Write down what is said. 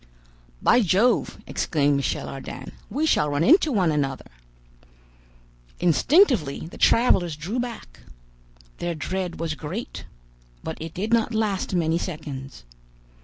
"By Jove!" exclaimed Michel Ardan, "we shall run into one another!" Instinctively the travelers drew back. Their dread was great, but it did not last many seconds.